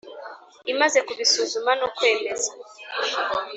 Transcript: imaze kubisuzuma no kwemeza